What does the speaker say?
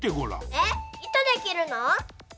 えっいとできるの？